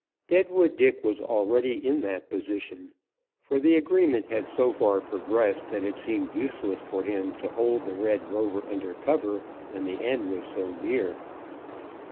Deadwood Dick was already in that position, for the agreement had so far progressed that it seemed useless for him to hold the Red Rover under cover when the end was so near.